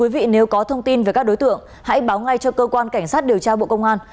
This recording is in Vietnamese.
xin chào các bạn